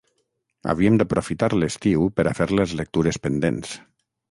Havíem d’aprofitar l’estiu per a fer les lectures pendents...